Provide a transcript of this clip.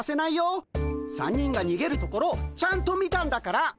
３人がにげるところちゃんと見たんだから。